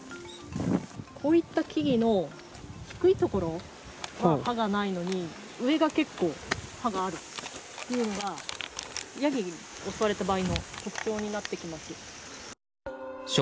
こういった木々の低いところは葉がないのに上が結構葉があるというのがヤギに襲われた場合の特徴になってきます。